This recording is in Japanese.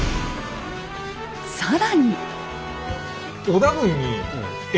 更に。